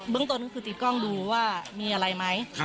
ตนก็คือติดกล้องดูว่ามีอะไรไหม